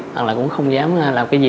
hoặc là cũng không dám làm cái gì